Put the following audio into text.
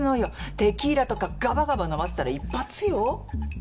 テキーラとかがばがば飲ませたら一発よ。